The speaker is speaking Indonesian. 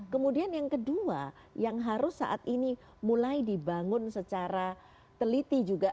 kemudian yang kedua yang harus saat ini mulai dibangun secara teliti juga